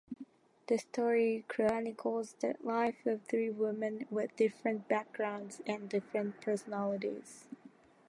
The story chronicles the life of three women with different backgrounds and different personalities.